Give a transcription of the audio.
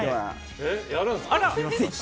やるんすか？